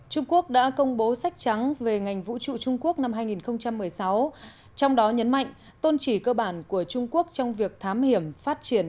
trung quốc đã công bố sách trắng về ngành vũ trụ trung quốc năm hai nghìn một mươi sáu trong đó nhấn mạnh tôn chỉ cơ bản của trung quốc trong việc thám hiểm phát triển